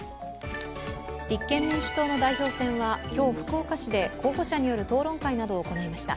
立憲民主党の代表選は今日、福岡市で候補者による討論会などを行いました。